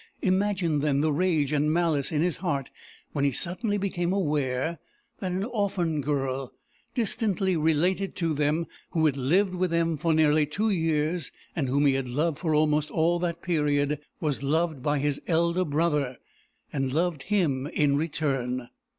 Imagine, then, the rage and malice in his heart, when he suddenly became aware that an orphan girl, distantly related to them, who had lived with them for nearly two years, and whom he had loved for almost all that period, was loved by his elder brother, and loved him in return.